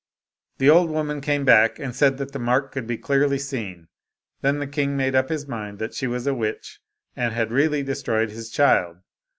The old woman came back and said that the mark could be clearly seen. Then the king made up his mind that she was a witch, and had really destroyed his child.